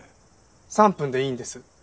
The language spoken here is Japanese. ３分でいいんです。